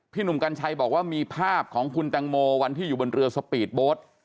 หนุ่มกัญชัยบอกว่ามีภาพของคุณแตงโมวันที่อยู่บนเรือสปีดโบ๊ท